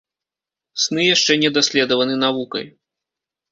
Сны яшчэ не даследаваны навукай.